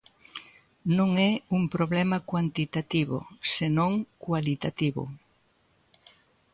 Non é un problema cuantitativo, senón cualitativo.